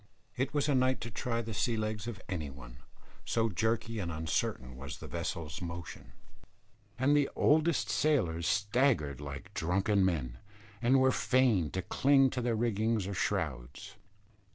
It was a night to try the sea legs of any one, so jerky and uncertain was the vessel's motion; and the oldest sailors staggered like drunken men, and were fain to cling to rigging or shrouds.